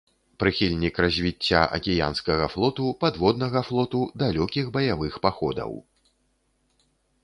Прыхільнік развіцця акіянскага флоту, падводнага флоту, далёкіх баявых паходаў.